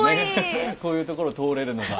こういうところ通れるのが。